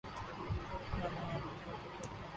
کیا میں آپ کے ساتھ چل سکتا ہوں؟